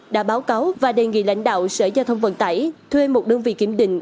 đã báo cáo và đề nghị lãnh đạo sở giao thông vận tải thuê một đơn vị kiểm định